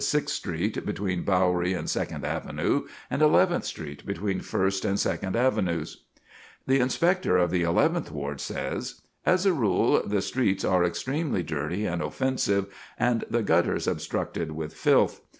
Sixth Street, between Bowery and Second Avenue, and Eleventh Street, between First and Second Avenues." [Sidenote: Animals Dead] The Inspector of the Eleventh Ward says: "As a rule, the streets are extremely dirty and offensive, and the gutters obstructed with filth.